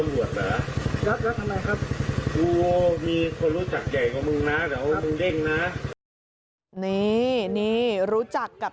รู้จักกับตำรวจนะครับ